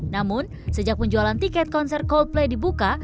namun sejak penjualan tiket konser coldplay dibuka